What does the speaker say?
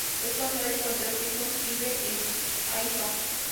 Es casado y con tres hijos, vive en Haifa.